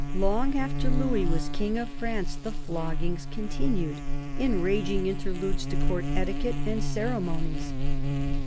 Long after Louis was King of France the floggings continued, enraging inter ludes to Court etiquette and ceremonies.